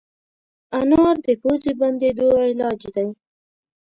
انار د پوزې بندېدو علاج دی.